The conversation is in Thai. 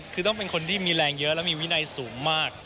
คือต้องเป็นคนที่มีแรงเยอะและมีวินัยสูงมาก